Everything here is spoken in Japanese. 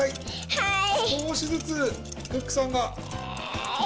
はい！